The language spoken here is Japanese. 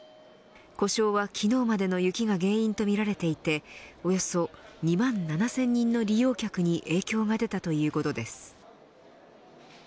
故障は昨日までの雪が原因とみられていておよそ２万７０００人の利用客に影響が出たということです。